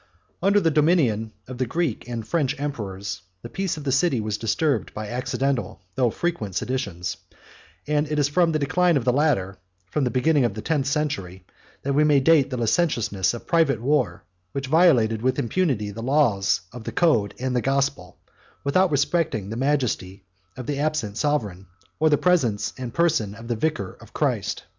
Under the dominion of the Greek and French emperors, the peace of the city was disturbed by accidental, though frequent, seditions: it is from the decline of the latter, from the beginning of the tenth century, that we may date the licentiousness of private war, which violated with impunity the laws of the Code and the Gospel, without respecting the majesty of the absent sovereign, or the presence and person of the vicar of Christ.